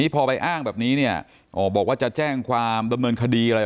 พอไปอ้างแบบนี้บอกว่าจะแจ้งความบำเมินคดี